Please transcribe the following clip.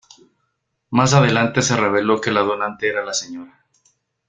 Más adelante se reveló que la donante era la Sra.